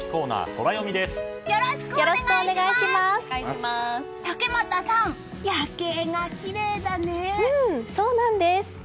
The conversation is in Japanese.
そうなんです。